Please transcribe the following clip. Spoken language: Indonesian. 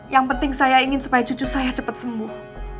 yang penting saya ingin supaya cucu saya cepat sembuh